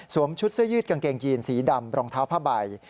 ชุดเสื้อยืดกางเกงยีนสีดำรองเท้าผ้าใบ